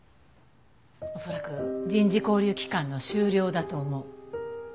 恐らく人事交流期間の終了だと思う。